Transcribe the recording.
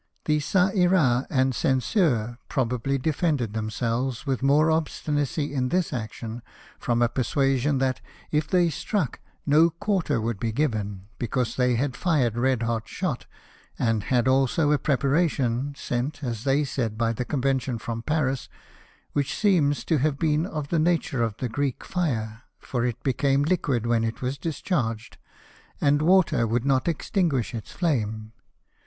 The (^a Ira and Genseur probably defended them selves with more obstinacy in this action, from a persuasion that, if they struck, no quarter would be given, because they had fired red hot shot, and had also a preparation — sent, as they said, by the Conven tion from Paris — which seems to have been of the nature of the Greek fire, for it became liquid when it was discharged, and water would not extinguish its flame.